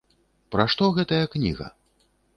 Пра што гэтая кніга?